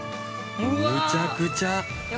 ◆むちゃくちゃ。